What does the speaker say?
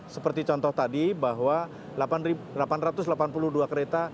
seperti contoh tadi bahwa delapan ratus delapan puluh dua kereta